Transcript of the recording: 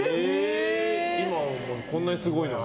今、こんなにすごいのに。